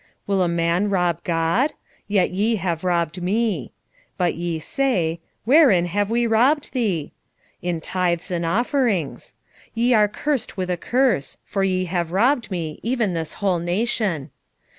3:8 Will a man rob God? Yet ye have robbed me. But ye say, Wherein have we robbed thee? In tithes and offerings. 3:9 Ye are cursed with a curse: for ye have robbed me, even this whole nation.